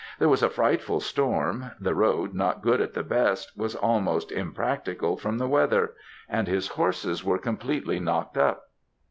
There was a frightful storm; the road, not good at the best, was almost impracticable from the weather, and his horses were completely knocked up.